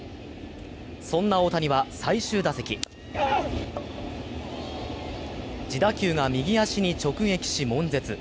そんな大谷は最終打席、自打球が右足に直撃し、もん絶。